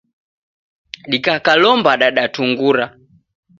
Dikakalomba dadatungura.